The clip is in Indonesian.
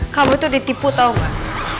kamu tuh ditipu tau gak